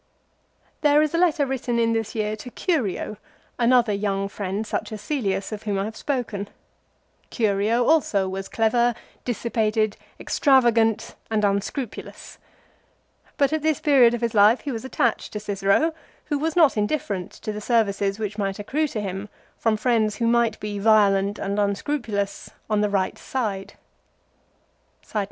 l There is a letter written in this year to Curio, another young friend such as Caelius, of whom I have spoken. Curio i Ca. xi. CICERO, jETAT. 52, 53, AND 54. 61 also was clever, dissipated, extravagant and unscrupulous. But at this period of his life he was attached to Cicero, who was not indifferent to the services which might accrue to him from friends who might be violent and unscrupulous on the right side.